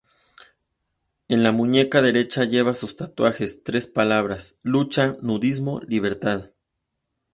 En la muñeca derecha lleva sus tatuajes, tres palabras: lucha, nudismo, libertad.